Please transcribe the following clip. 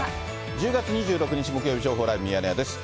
１０月２６日木曜日、情報ライブミヤネ屋です。